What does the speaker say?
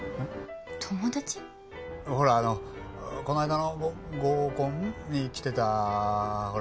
ほらあのこないだのご合コンに来てたほら